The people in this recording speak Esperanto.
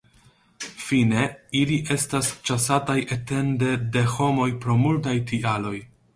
Fine ili estas ĉasataj etende de homoj pro multaj tialoj.